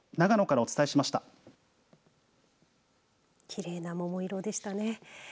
きれいな桃色でしたね。